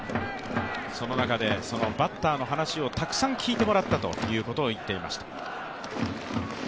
その中でバッターの話をたくさん聞いてもらったということを言っていました。